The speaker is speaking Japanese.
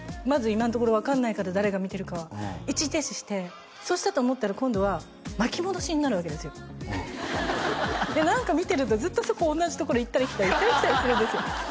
まだ今んところ分かんないから誰が見てるかは一時停止してそうしたと思ったら今度は巻き戻しになるわけですよ何か見てるとずっとそこ同じところ行ったり来たり行ったり来たりするんですよ